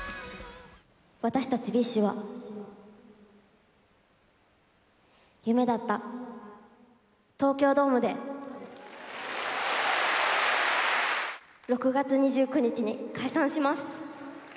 私たちＢｉＳＨは、夢だった東京ドームで、６月２９日に解散します。